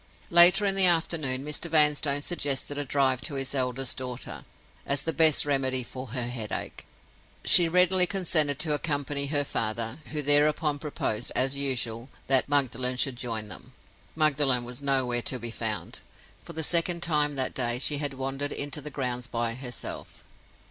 Later in the afternoon, Mr. Vanstone suggested a drive to his eldest daughter, as the best remedy for her headache. She readily consented to accompany her father; who thereupon proposed, as usual, that Magdalen should join them. Magdalen was nowhere to be found. For the second time that day she had wandered into the grounds by herself.